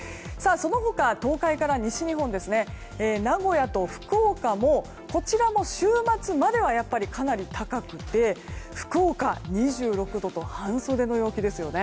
その他、東海から西日本で名古屋と福岡も週末まではかなり高くて福岡、２６度と半袖の陽気ですよね。